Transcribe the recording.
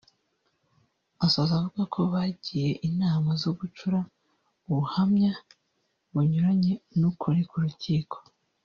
asoza avuga ko bagiye inama zo gucura ubuhamya bunyuranye n’ukuri ku rukiko